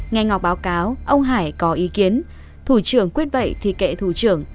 ngày ngọc báo cáo ông hải có ý kiến thủ trưởng quyết bậy thì kệ thủ trưởng